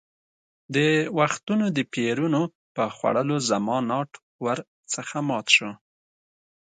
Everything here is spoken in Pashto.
د وختونو د پېرونو په خوړلو زما ناټ ور څخه مات شو.